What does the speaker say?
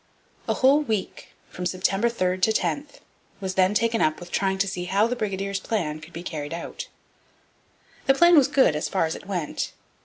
A whole week, from September 3 to 10, was then taken up with trying to see how the brigadiers' plan could be carried out. This plan was good, as far as it went.